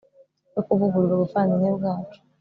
yo kuvugurura ubuvandimwe bwacu